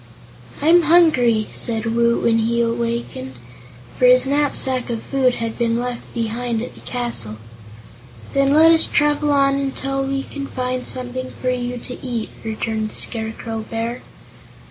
"I'm hungry," said Woot, when he wakened, for his knapsack of food had been left behind at the castle. "Then let us travel on until we can find something for you to eat," returned the Scarecrow Bear.